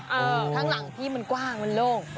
ข้างหลังพี่มันกว้างมันโล่ง